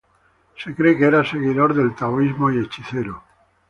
Se cree que era seguidor del Taoísmo y hechicero.